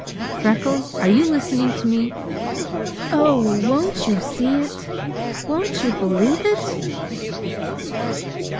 Freckles, are you listening to me? Oh! won't you see it? Won't you believe it?"